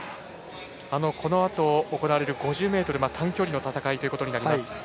このあと行われる５０ｍ短距離の戦いとなります。